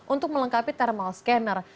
untuk melengkapi thermal scanner